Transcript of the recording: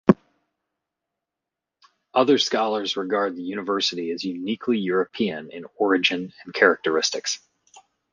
Other scholars regard the university as uniquely European in origin and characteristics.